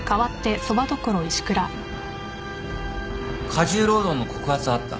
過重労働の告発はあった。